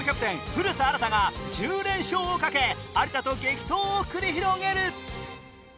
古田新太が１０連勝をかけ有田と激闘を繰り広げる！